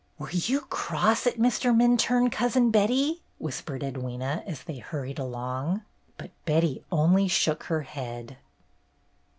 "Were you cross at Mr. Minturne, Cousin Betty?" whispered Edwyna, as they hurried along ; but Betty only shook her head.